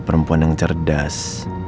perempuan yang cerdas